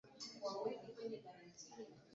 Rais alibadilisha viongozi wa kiraia